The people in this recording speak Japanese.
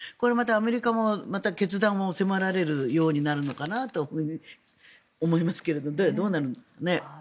これはまたアメリカもまた決断を迫られるようになるのかなと思いますけれどどうなるんですかね。